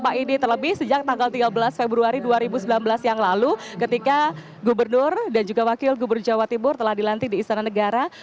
keputusan gubernur jawa timur